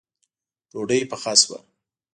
ډوډۍ پخه شوه